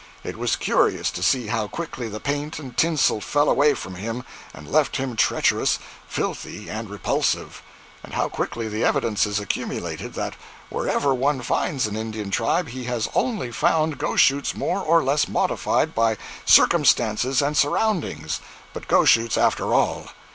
It was curious to see how quickly the paint and tinsel fell away from him and left him treacherous, filthy and repulsive—and how quickly the evidences accumulated that wherever one finds an Indian tribe he has only found Goshoots more or less modified by circumstances and surroundings—but Goshoots, after all.